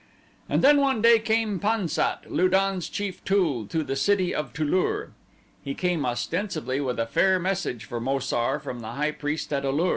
And then one day came Pan sat, Lu don's chief tool, to the city of Tu lur. He came ostensibly with a fair message for Mo sar from the high priest at A lur.